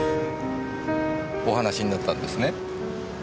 お話しになったんですね？